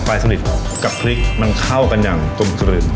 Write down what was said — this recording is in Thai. ปลาสลิดกับพริกมันเข้ากันอย่างตุ่มสลิด